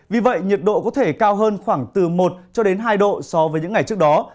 vì vậy nhiệt độ có thể cao hơn khoảng từ một hai độ so với những ngày trước đó